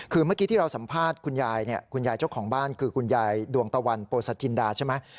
คือเมื่อกี๊ที่เราสัมภาษณ์คุณยายเจ้าของบ้านคือคุณยายดวงตะวัญโปสาจิงดาใช่ไหม